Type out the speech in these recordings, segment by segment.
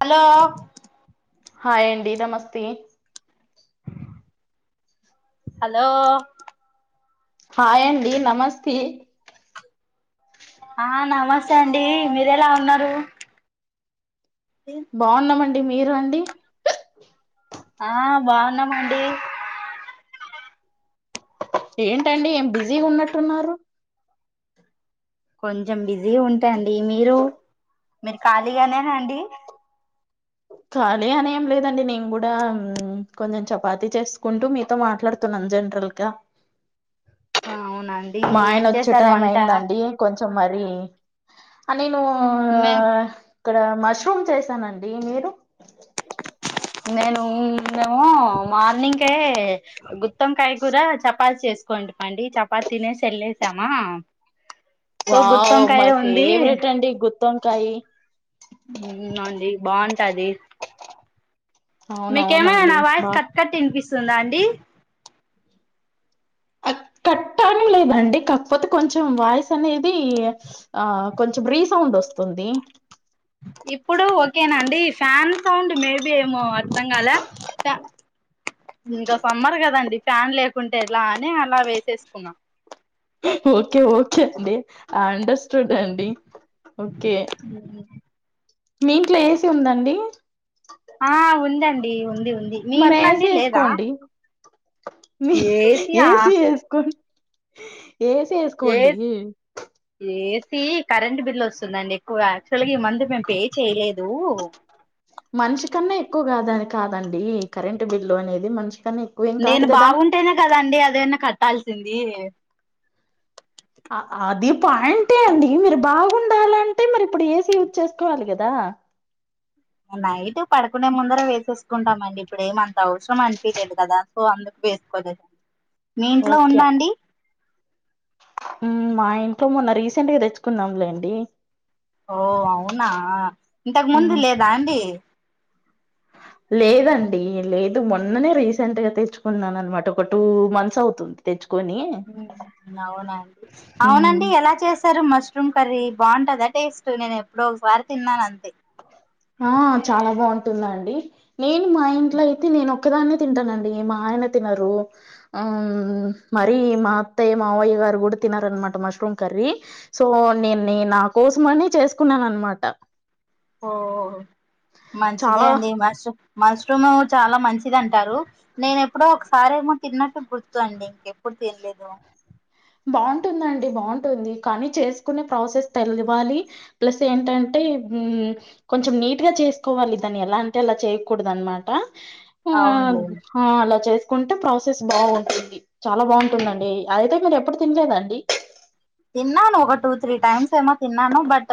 Hello hi అండి దమస్తే hello hi అండి నమస్తీ ఆ నమస్తే అండి మీరెలా ఉన్నారు. బాగున్నామం మీరూ అండి ఆ బాగున్నామండి ఏంటండి ఏం బిజీగున్నట్టున్నారు. కొంచెం బిజీ ఉంటాండి మీరు మీరు ఖాళీగానేనా అండి ఖాళీ అని ఏం లేదండి నేను కూడా కొంచెం చపాతీ చేసుకుంటూ మీతో మాట్లాడుతున్నాను జనరల్గా అవునండి మా ఆయన ఏం వచ్చే చేశారు టైం వంట అయిందండి కొంచెం మరి నేను మే ఇక్కడ మష్రూమ్ చేసానండి మీరు నేను మేము మార్నింగ్ గుత్తంకాయ కూర చపాతి చేశా కోంపిండి చపాతి చాలీసామా వావ్ మై ఫేవరెట్ అండి గుత్తోంకయి తద మీకేమైనా అవునవునండి నా బా వాయిస్ కట్ కట్ వినిపి వస్తుందా అండి కట్ అవ్వడం లేదండి కాకపోతే కొంచెం వాయిస్ అనేది ఆ కొంచెం రీ సౌండ్ వస్తుంది ఇప్పుడు ఓకేనండి ఫ్యాన్ సౌండ్ మేబి ఏమో అర్థం కదా ఇంకా సమ్మర్ కదండి ఫ్యాన్ లేకుంటే ఎలా అని అలా వేసేసుకున్నాం ఓకే ఓకే అండి అండ్ స్టూడ్ అండి ఓకే మీ ఇంట్లో ఏసీ ఉందండి ఆ ఉందండి ఉంది ఉ మరి వేసి వేసుకోండి మీ ఏసీ ఆ ఏసి వేసుకుని అ ఏసీ వేసుకోండి సి కరెంట్ బిల్ వస్తుందండి ఆక్చుల్గా ఇ మంత్ మే చేయలేదు మనిషి కన్నా ఎక్కువ ఎక్కువగా దాని కాదండి కరెంట్ బిల్లు అనేది మనిష నేను బాగుంటేనే కదాండి అదైనా కర్ టల్సింది అది పాయింట్ ఏ అండి మీరు బాగుండాలంటే మరి ఇప్పుడు ఏసి యూస్ చేసుకోవాలి కదా నైట్ పడుకునే ముందర వేసేసుకుంటాం అండి ఇప్పుడు ఏమంత అంత అవసరం అనిపలేదు కదా సో అందుకు వేసుకోలే. మీ ఇంట్లో ఓకే ఉందాండి మా ఇంట్లో మొన్న రీసెంట్గా తెచ్చుకుందాంలేండి ఓ అవునా ఇంతకు ముందు మ్మ్ లేదా అండి లేదండి లేదు మొన్ననే రీసెంట్ గా తెచ్చుకున్నాను అనమాట ఒక టూ మంత్స్ అవుతుంది తెచ్చుకు అవునండి మ్మ్ అవునండి ఎలా చేశారు మస్ అదేం కర్రీ బాగుంటదా టేస్ట్ నేను ఎప్పుడో ఒక పారి తిన్నాను అంతే ఆ చాలా బాగుంటుందండి నేను మా ఇంట్లో అయితే నేను ఒక్కదాన్నే తింటానండి మా ఆయన తినరు ఆ మర మా అత్తయ్య మావయ్య గారు కూడా తినారనమాట మష్రూమ్ కర్రీ సో నేను నా కోసం అని చేసుకున్నాను అనమాట ఓ మంచిదే చాలా అండి మ మష్రూమ్ చాలా మంచిది అంటారు నేను ఎప్పుడో ఒకసారి ఏమో తిన్నట్టు గుర్తు అండి ఇంకెప్పుడు తినలేదు బాగుంటుందండి బాగుంటుంది కానీ చేసుకునే ప్రాసెస్ తెలివాలి ప్లస్ ఏంటంటే కొంచెం నీట్గా చేసుకోవాలి దాన్ని ఎలా అంటే అలా చేయకూడదు అనమాట. అవునులేండి ఆ అలా చేస్తే కుంటే ప్రాసెస్ బాగుంటుంది చాలా బాగుంటుందండి అదయితే మీ ఎప్పుడు తినలేద అండి తిన్నాను ఒక టూ త్రీ టైమ్స్ ఏమో తిన్న న్నాను బట్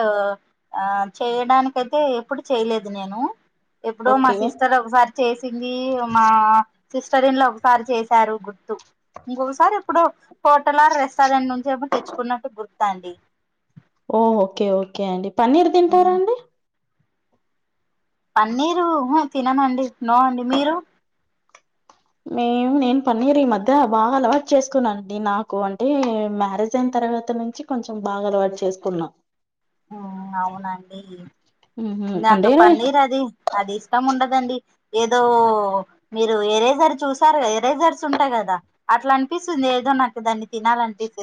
ఆ చేయడానిక అయితే ఎప్పుడు చేయలేదు నేను ఎప్పుడో మా ఓకే. సిస్టర్ ఒకసారి చేసింది మా సిస్టర్ ఇన్ లా ఒకసారి చేశారు గుర్తు ఇంకొకసారి ఇప్పుడు హోటల్ ఆ రెస్టారెంట్ నుంచి ఏమో తెచ్చుకో కున్నట్టు గుర్తండి ఓ ఓకే ఓకే అండి పన్నీర్ తింటారాండి పన్నీరు తినమండి నో అండి మీరు మేము నేను పన్నీరు ఈ మధ్య బాగా అలవాటు చేసుకున్నా అండి నాకు అంటే మ్యారేజ్ అయిన తర్వాత నుంచి కొంచెం బాగా అలవాటు చేసుకున్నా అవునండి హుహు. నాకు అంటే పన్నీర్ అది అది ఇష్టం ఉండదు. దండి ఏదో మీరు ఎరేజర్ చూసారు ఎరేజర్స్ ఉంటాయి కదా అట్లా అనిపిస్తుంది ఏదో నాకు దాన్ని తినాలినిపిస్తుంది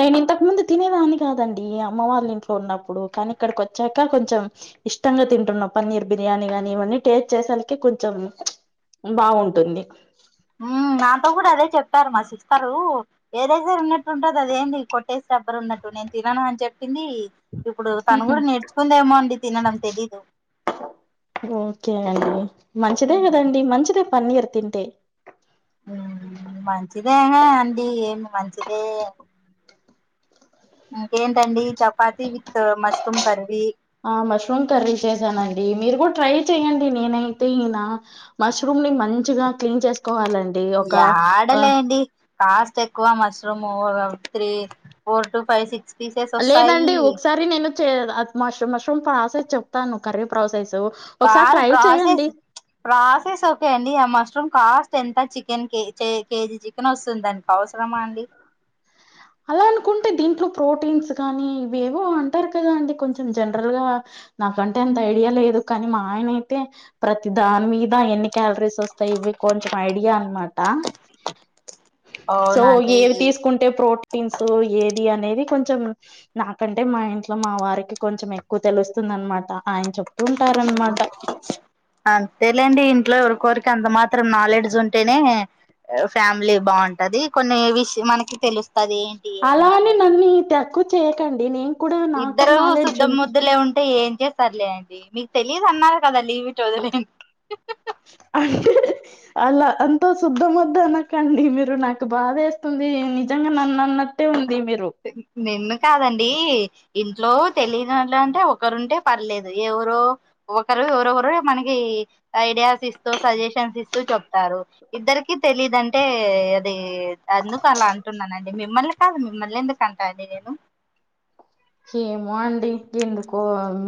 నేను ఇంతకు ముందు తినేదాన్ని కాదండి అమ్మ వాళ్ళ ఇంట్లో ఉన్నప్పుడు కానీ ఇక్కడికి వచ్చాక కొంచెం ఇష్టంగా తింటున్నాం పన్నీర్ బిర్యానీ ని ఇవన్నీ టేస్ట్ చేసలకి కొంచెం బాగుంటుంది నాతో కూడా అదే చెప్పారు మా సిస్టరు ఏదైతేర ఉన్నట్టుంటుంది అదేంది కొట్టేసి రబ్బరు ఉన్నట్టు నేను తినను అని చెప్పింది ఇప్పుడు తను కూడా నేర్చుకుందేమో అండి తినడం తెలీదు ఓకే అండి మంచిదే కదండి మంచిదే పన్నీర్ తింటే మంచిదేనా అండి ఏమి మంచిదే ఏంటండీ చపాతి విత్ మష్రూమ్ కర్రీ ఆ మష్రూమ్ కర్రీ చేసానండి మీరు కూడా ట్రై చేయండి నేనైతే ఈయన మష్రూమ్ ని మంచిగా క్లీన్ చేసుకోవాలం యాడ లేండి కాస్ట్ ఎక్కువ mushroom three four to five six pieces వస్తాయి లేదండి ఒకసారి నేను చేయల అద్ మష్రూమ్ మష్రూమ్ ప్రాసెస్ చెప్తాను కర్రీ ప్రాసెస్ ఒకసారి కాదు ట్రై చెయ్యండి ప్రాసెస్ ప్రాసెస్ ఓకే అండి ఆ మష్రూమ్ కాస్ ఎంత చికెన్ కే కేజీ చికెన్ వస్తుంది దానికి అవసరమా అండి అలా అనుకుంటే దీంట్లో ప్రోటీన్స్ కానీ ఇవేవో అంటారు కదా అండి కొంచెం జనరల్ గా నాకంటే అంత ఐడియా లేదు కానీ మా ఆయన అయితే ప్రతి దాని మీద ఎన్ని క్యాలరీస్ వస్తాయి ఇవి కొంచెం ఐడియా అనమాట. సో అవునండి ఏవి తీసుకుంటే ప్రోటీన్ టీంసో ఏది అనేది కొంచెం నాకంటే మా ఇంట్లో మా వారికి కొంచెం ఎక్కువ తెలుస్తుంది అనమాట. ఆయన చెప్ అంతేలేండి ఇంట్లో ఎవరికొరిక్ కంత మాత్రం నాలెడ్జ్ ఉంటేనే ఫ్యామిలీ బాగుంటది కొన్ని విష్ మనకి తెలు అలానీ నన్నీ తక్కువ చేయ కండిని ఇద్దరు శుద్ద మోద్దులే ఉంటే ఏం చేస్తర్లే అండి మీర్ తెలీదు అన్నారు కదం లీవ్ ఇట్ ఒదిలేన్ అంటే అలా అంతో శుద్ధ మొద్దనకండి మీరు నాకు బాధ ఏస్తుంది నిజంగా నన్ను అన్నట్టే ఉం నిన్ను కాదండీ ఇంట్లో తెలినోళ్లంటే ఒకరుంటే పర్లేదు ఎవరో ఒకరు ఎవరోరు మనకి ఐడియాస్ ఇస్తూ సజెషన్స్ ఇస్తూ చెప్తారు. ఇద్దరికి తెలిదంటే అదీ అందుకు అలా అంటున్నానండి మిమ్మల్ని కాదు మిమ్మల్నెన్దుకంట అండి నేను ఏమో అండి ఎందుకో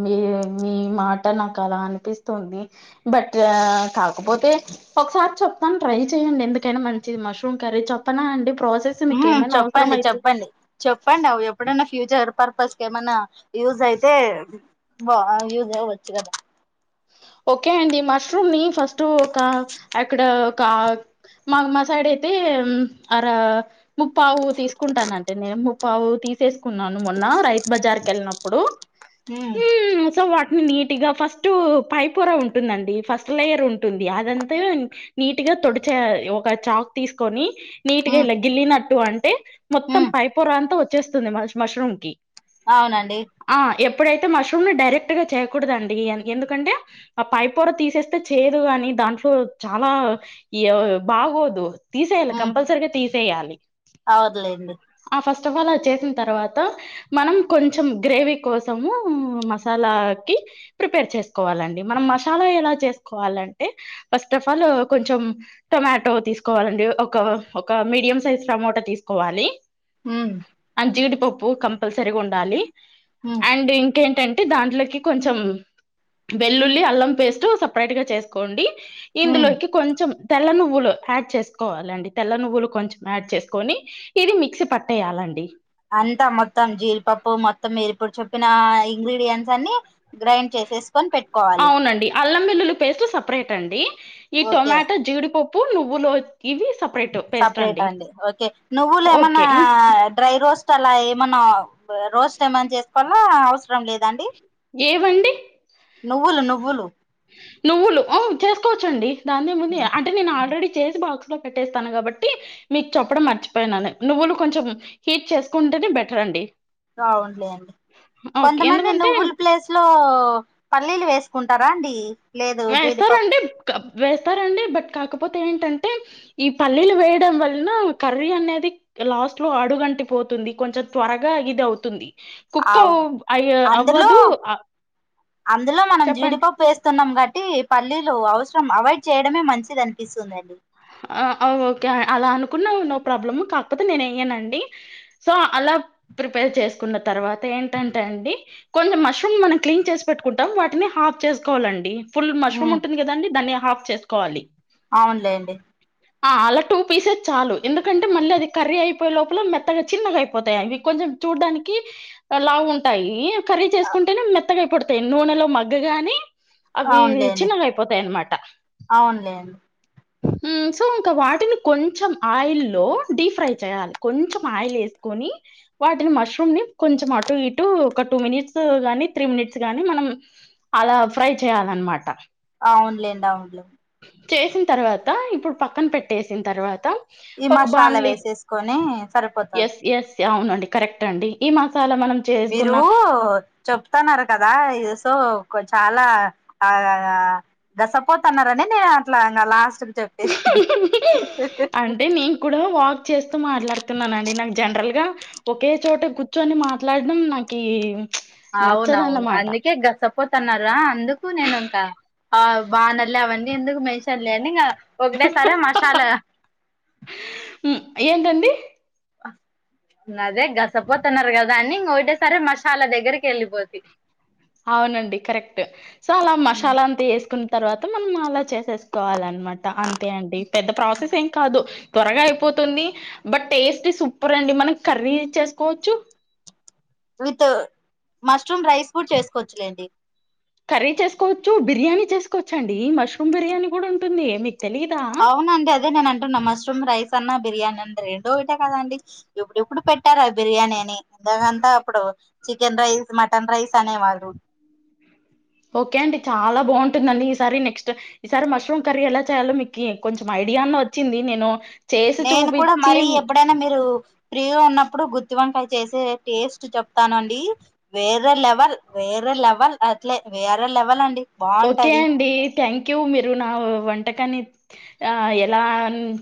మీ మీ మాట నాకు అలా అనిపిస్తోంది. బట్ కాకపోతే ఒకసారి చెప్తాను ట్రై చెయ్యడి ఎందుకైనా మంచిది మష్రూమ్ కర్రీ చెప్పనా అండి. ప్రాసెస్ హ్మ్ మీకేమైనా అవసరం చెప్పండి అయితే చెప్పండి చెప్పండి అవి ఎప్పుడైన్నా ఫ్యూచర్ పర్పస్ కెమన్నా యూజ్ అయితే భా యూజ్ అవ్వచ్చు కదా. ఓకే అండి మష్రూమ్ ని ఫస్టూ ఒక ఎక్కడ ఒక మా మా సైడ్ అయితే అర ముప్పావు తీసుకుంటానండి నేను ముప్పావు తీసేస్ కున్నాను మొన్న రైతు బజార్ కెళ్ళినప్పుడు ఉమ్ హ్మ్ నీటిగా ఫస్ట్ పైప్ పోర ఉంటుందండి ఫస్ట్ లేయర్ ఉంటుంది అదంతా నీట్ గా తొడిచేయా ఒక చాక్ తీస్కొని. నీట్గా ఉమ్ ఇల గిల్లీ నట్ టు అంటే మొత్తం ఉమ్ పైపోర అంత వచ్ చ్చేస్తుంది మష్ మష్రూమ్ కి అవునండి ఇప్పుడైతే మష్రూమ్ ని డైరెక్ట్ గా చేయకుడ్ దండి ఎందుకంటే ఆ పైపొర తీసేస్తే చేదు గాని దాంట్లో చాలా ఇ బాగోదు. తీసేయాలి కంపల్సరిగా తీ చేయాలి అవదులేండి ఫస్ట్ ఆఫ్ ఆల్ అది చేసిన తర్వాత మనం కొంచెం గ్రేవీ కోసము మసాలాకి ప్రిపేర్ చేసుకోవాలండ్. మనం మసాలా ఎలా చేసుకోవాలంటే ఫస్ట్ ఆఫ్ ఆల్ కొంచెం టొమాటో తీసుకోవాలండి. ఒక ఒక మీడియం సైజ్ టమోట తీసుకోవాలి. హ్మ్ అండ్ జీడిపప్పు కంపల్సరీగా ఉండాలి ఉమ్ అండ్ ఇంకేంటంటే దాంట్లోకి కొంచెం వెల్లుల్లి అల్లం పేస్ట్ సపరేట్ గా చేసుకోండి ఉమ్ ఇందులోకి కొంచెం తెల్ల నువ్వులు యాడ్ చేసుకోవాలండి తెల్ల నువ్వులు కొంచెం యాడ్ చేసుకొని ఇది మిక్సీ పట్టేయాలండి అంతా మొత్తం జీడీపప్పు మొత్తంవేసి ఇప్పుడు చెప్పిన ఇంగ్రీడియంట్స్ అన్ని గ్రైండ్ చేసి అవునండి అల్లం వెల్లులు పేస్టు సప్ ప్రేట్ అండి ఈ టొమాటో జీడిపప్పు పూ నువులో సపరేట అండి ఓకే నువ్వులు ఏమన్నా ఓకే ఇం- డ్రై రో స్ట్ అలా ఏమన్నా రోస్ట్ ఏమని చేసుకో ఆ అవసరం లేదండి ఏవండి నువ్వులు నువ్వులు నువ్వులు ఉం చేసుకోవచ్చండి దాన్నీ ముందు అంటే నేను ఆల్రెడీ చేసి బాక్స్ కట్టేస్తాను కాబట్టి మీకు చప్పడం మర్చిపోయినాను నువ్వులు కొంచెం హీట్ చేసుకుంటేనే బెటర్ అండి బావుంలే అండి ఓకే కొంతమంది ఎందుకంటే నువ్వుల ప్లేస్ లో పల్లీలు వేసుకుంట తరాండి వేస్తారండి వేస్తారండి బట్ కాకపోతే ఏంటంటే ఈ పల్లీలు వేయడం వలన కర్రీ అనేది లాస్ట్ లో అడుగంటి పోతుంది కొంచెం త్వరగా ఇది అవుతుంది కుక్ అవును అయ్య అందులో అవ్వదు. ఆహ్, అందులో మనం చెప్పండి. జీడిపప్పు వేస్తున్నాం బట్ టి పల్లీలు అవసరం అవాయిడ్ చేయడమే మంచిది అనిపిస్తుందండి ఓకే అలా అనుకున్న నో ప్రాబ్లం కాకపోతే నేను వెయ్యానుండి సో అలా ప్రిపేర్ చేసుకున్న తర్వాత ఏంటంటే అండి కొంచెం మష్రూమ్ మనం క్లీన్ చేసి పెట్టుకుంటాం వాటిని హాఫ్ చేసుకోవాలండి ఫుల్ మష్రూమ్ ఉమ్ ఉంటుంది కదండి ధని హాఫ్ చేసుకోవాలి అవునులేండి ఆ అలా టూ పీసెస్ చాలు ఎందుకంటే మళ్ళీ అది కర్రీ అయిపోయే లోపల మెత్తగా చిన్నగా అయిపోతాయి అవి కొంచెం చూడడానికి లావు ఉంటాయి ఇవి కర్రి చేసుకుంటెనే మే మెత్తగా ఇప్పుడు తై నూనె లో మగ్గగానే అవి అవునులేండి చిన్నగయిపోతాయి అన్నమాట అవునులేండి ఉం సో ఇంకా వాటిని కొంచెం ఆయిల్లో డీప్ ఫ్రై చేయాలి కొంచెం ఆయిల్ వేసుకొని వాటిని మష్రూమ్ ని కొంచెం అటు ఇటు ఒక టూ మినిట్స్ గాని త్రీ మినిట్స్ గాని మనం అలా ఫ్రై చేయాలన్నమాట అవునులేండి అవునులే చేసిన తర్వాత తర్వాత ఇప్పుడు పక్కన పెట్టేసిన తర్వాత ఈ ఒక మసాలా బాండ్లీ వేసేసుకొని సరిపోతది యా అవునండి కరెక్ట్ అండి ఈ మా మీరు చెప్తన్నారు కదా ఈ సో కొంచెం చాలా ఆ గసపోతన్నరని నేను అట్లా ఇంగ లాస్ట్ చెప్పేసిన అంటే నేను కూడా వాక్ చేస్ చి చేస్తూ మాట్లాడుతున్ననండి నాకు జన్రల్గా ఒకే చోట కూర్చొని మాట్లాడడం నాకి అవునవును నచ్చదన్నమాట అందుకే గసపోతన్నారా అందుకు నేను ఇంకా ఆ బానర్లీ అవన్నీ ఎందుకు మెన్షన్ లే అని ఇంకా ఒకటేసారే మషాలా హ్మ్ ఏంటండి అదే గసపోతున్నారు కదా అని ఇంగ ఒకటే సారి సారి మాషాలా దగ్గరికి వెళ్ళిపోతీ అవునండి కరెక్ట్ సో అలా ఉ మసాలా అంతా వేసుకున్న తర్వాత మనం అలా చేసేసుకోవాలన్నమాట అంత అంతే అండి పెద్ద ప్రాసెస్ ఏం కాదు త్వరగా అయిపోతుంది బట్ టేస్ట్ సూపర్ అండి మనం కర్రీ చేసుకోవచ్చు విత్ మష్ మష్రూమ్ రైస్ కూడా చేసుకోవచ్చులేండి కర్రీ చేసుకోవచ్చు బిర్యానీ చేసుకోవచ్చండీ మష్రూమ్ బిర్యానీ కూడా ఉంటుంది మీకు తెలీదా అవునండి అదే నేను అంటున్న మష్రూమ్ రైస్ రైస్ అన్న బిర్యానీ అన్న రెండు ఒకటే కదండి ఇప్పుడిప్పుడు పెట్టారు అది బిర్యానీ అని ఇంతకుముందు అంత అప్పుడు చికెన్ రైస్ మట్ ఓకే అండి చాల బాం ఉంటుందండి ఈసారి నెక్స్ట్ ఈసారి మష్రూమ్ కర్రీ ఎలా చేయాలో మీకి కొంచెం ఐడియాన్న వచ్చింది నేను చేసి నేను కూడా చూపించి మరీ ఎప్పుడైనా మీరు ఫ్రీగా ఉన్నప్పుడు గుత్తి వంకాయ చేసే టేస్ట్ చెప్తానండి వేరే వేరే లెవెల్ వేరే లెవెల్ అట్లే వేరే లెవెల్ అండి ఓకే బాగుంటది అండి థ్యాంక్యూ మీరు నా వంటకాన్ని ఆ ఎలా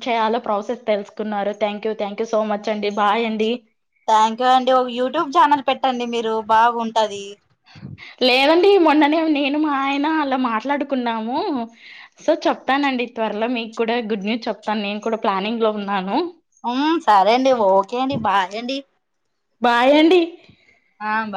చేయాలో ప్రాసెస్ తెలుసుకున్నారు థ్యాంక్యూ థాంక్యూ సో మచ్ అండి బాయ్ అండి థ్యాంక్యూ అండి ఒక యూట్యూబ్ ఛానల్ పెట్టండి మీరు బాగుంటది లేదండి మొన్ననే నేను మా ఆయన అలా మాట్లాడుకున్నాము సో చెప్తానండి త్వరలో మీకు కూడా గుడ్ న్యూస్ చెప్తాను నేను కూడా ప్లానింగ్ లో ఉన్నాను ఉ సరే అండి ఓకే అండి బాయండి బాయండి ఆ